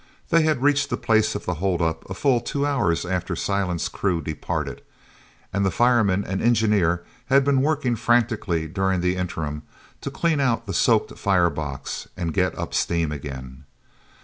They had reached the place of the hold up a full two hours after Silent's crew departed; and the fireman and engineer had been working frantically during the interim to clean out the soaked fire box and get up steam again.